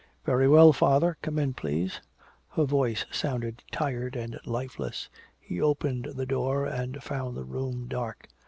"Very well, father, come in, please." Her voice sounded tired and lifeless. He opened the door and found the room dark.